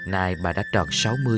này bà đã tròn sáu mươi